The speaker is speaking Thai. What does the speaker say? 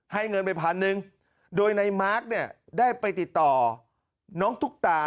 เงินไปพันหนึ่งโดยในมาร์คเนี่ยได้ไปติดต่อน้องตุ๊กตา